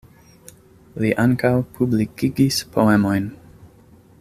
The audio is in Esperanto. Li ankaŭ publikigis poemojn.